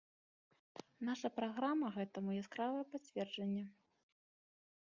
Наша праграма гэтаму яскравае пацверджанне.